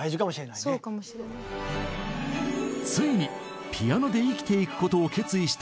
ついにピアノで生きていくことを決意した反田さん。